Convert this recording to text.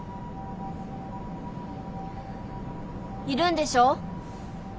いるんでしょ？